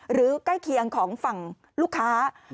ใกล้เคียงของฝั่งลูกค้า